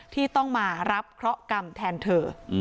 ที่ต้องมารับเคราะห์กรรมแทนเธอ